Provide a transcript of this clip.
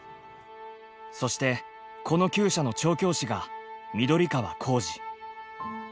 そしてこのきゅう舎の調教師が緑川光司。